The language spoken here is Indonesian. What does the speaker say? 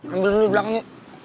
ambil dulu belakangnya